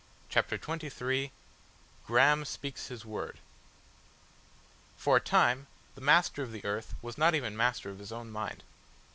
CHAPTER XXIII GRAHAM SPEAKS HIS WORD For a time the Master of the Earth was not even master of his own mind.